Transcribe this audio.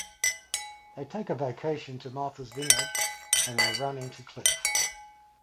They take a vacation to Martha's Vineyard and they run into Cliff.